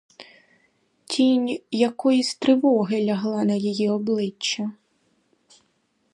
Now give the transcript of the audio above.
Тінь якоїсь тривоги лягла на її обличчя.